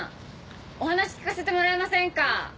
お話聞かせてもらえませんか？